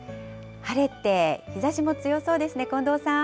晴れて日ざしも強そうですね、近藤さん。